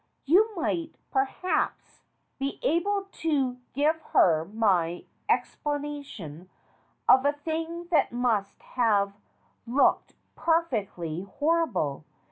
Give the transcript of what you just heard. "You might, perhaps, be able to give her my ex planation of a thing that must have looked perfectly horrible.